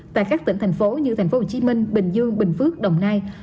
tại các tỉnh thành phố như tp hcm bình dương bình phước đồng nai